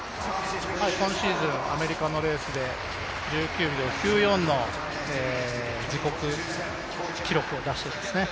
今シーズンアメリカのレースで１９秒９４の自国記録を出していますね。